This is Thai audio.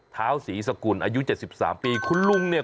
เท้าศรีสกุลอายุ๗๓ปีคุณลุงเนี่ย